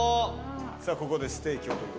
さあここでステーキを。